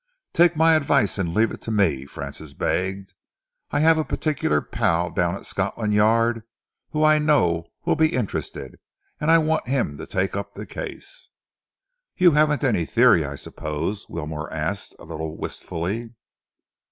"Take my advice and leave it to me," Francis begged. "I have a particular pal down at Scotland Yard who I know will be interested, and I want him to take up the case." "You haven't any theory, I suppose?" Wilmore asked, a little wistfully.